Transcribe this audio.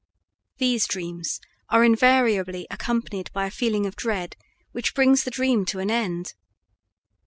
These dreams are invariably accompanied by a feeling of dread which brings the dream to an end.